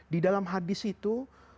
di dalam hadis itu